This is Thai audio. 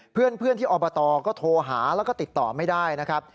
เพื่อนที่อบตก็โทรหาแล้วก็ติดต่อไม่ได้นะครับ